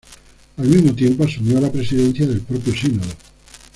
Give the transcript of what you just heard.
Al mismo tiempo asumió la presidencia del propio sínodo.